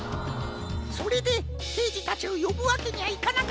それでけいじたちをよぶわけにはいかなかったんじゃ。